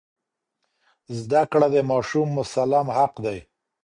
زده کړه د ماشوم مسلم حق دی.